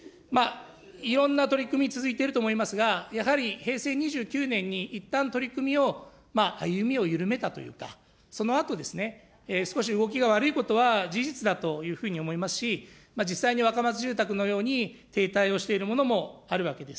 いろんな取り組み続いていると思いますが、やはり平成２９年にいったん、取り組みを、歩みを緩めたというか、そのあと、少し動きが悪いことは事実だというふうに思いますし、実際に若松住宅のように、停滞をしているものもあるわけです。